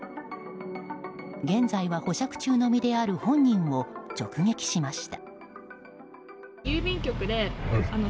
現在は保釈中の身である本人を直撃しました。